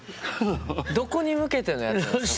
どこに向けてのやつなんすか？